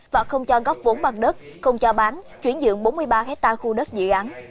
và không cho góp vốn bằng đất không cho bán chuyển dựng bốn mươi ba hectare khu đất dự án